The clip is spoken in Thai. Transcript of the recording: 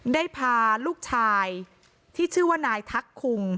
ได้พาลูกชายที่ชื่อว่านายทักคุม